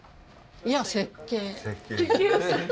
いや設計ね。